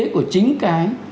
của chính cái